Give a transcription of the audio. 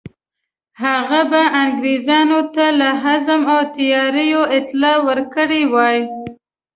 هغه به انګرېزانو ته له عزم او تیاریو اطلاع ورکړې وای.